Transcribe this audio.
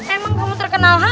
emang kamu terkenal ha